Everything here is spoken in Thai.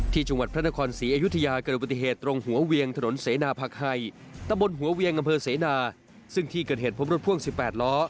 ที่จังหวัดพระนครศรีอยุธยาเกิดอุบัติเหตุตรงหัวเวียงถนนเสนาผักไห่ตะบนหัวเวียงอำเภอเสนาซึ่งที่เกิดเหตุพบรถพ่วง๑๘ล้อ